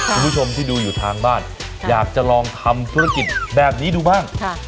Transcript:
คุณผู้ชมที่ดูอยู่ทางบ้านอยากจะลองทำธุรกิจแบบนี้ดูบ้าง